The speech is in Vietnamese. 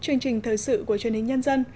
chương trình thời sự của chuyên hình nhân dân